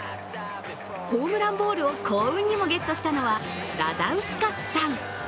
ホームランボールを幸運にもゲットしたのはラザウスカスさん。